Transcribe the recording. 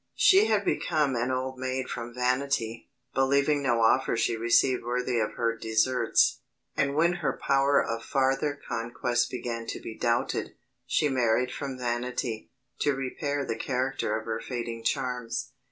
She had become an old maid from vanity, believing no offer she received worthy of her deserts; and when her power of farther conquest began to be doubted, she married from vanity, to repair the character of her fading charms.